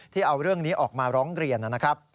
เอาเรื่องนี้ออกมาร้องเรียนนะครับ